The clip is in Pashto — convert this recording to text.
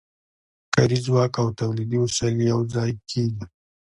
کاري ځواک او تولیدي وسایل یوځای کېږي